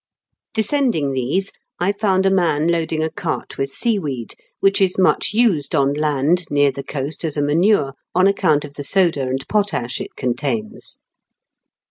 Descending these, I found a man loading a RECESSION OF TEE CUFF. 261 cart with seaweed, which is much used on land near the coast as a manure, on account of the soda and potash it contains.